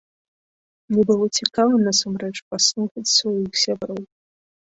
Мне было цікава насамрэч паслухаць сваіх сяброў.